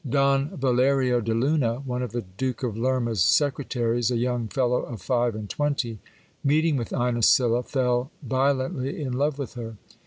Don Valerio de Luna, one of the Duke of Lerma's secretaries, a young fellow of nve and twenty, meeting with Inesilla, fell violently in love with her.